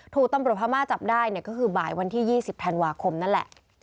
ถูกตำรวจพม่าจับได้ก็คือบ่ายวันที่๒๐ธันวาคมนั่นแหละ